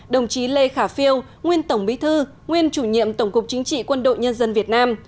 đồng chí lê khả phiêu nguyên tổng bí thư nguyên chủ nhiệm tổng cục chính trị quân đội nhân dân việt nam